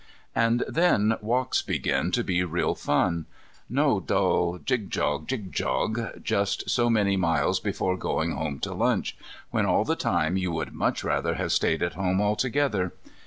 And then walks begin to be real fun. No dull jig jog, jig jog, just so many miles before going home to lunch, when all the time you would much rather have stayed at home altogether.